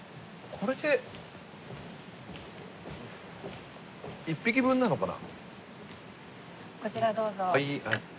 これで１匹分なのかな？